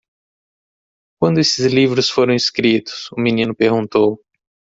"Quando esses livros foram escritos?" o menino perguntou.